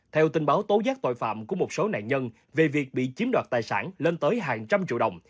theo tình báo tố giác tội phạm của một số nạn nhân về việc bị chiếm đoạt tài sản lên tới hàng trăm triệu đồng